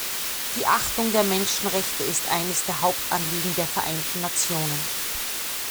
Die Achtung der Menschenrechte ist eines der Hauptanliegen der Vereinten Nationen.